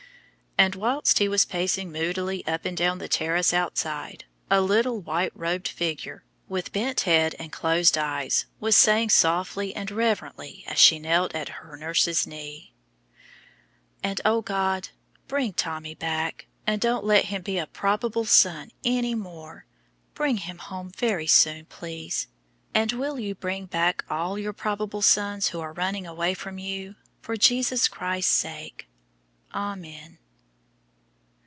And while he was pacing moodily up and down the terrace outside, a little white robed figure, with bent head and closed eyes, was saying softly and reverently as she knelt at her nurse's knee "And, O God, bring Tommy back, and don't let him be a probable son any more. Bring him home very soon, please, and will you bring back all your probable sons who are running away from you, for Jesus Christ's sake. Amen."